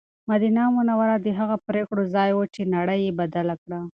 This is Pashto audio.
مدینه منوره د هغو پرېکړو ځای و چې نړۍ یې بدله کړه.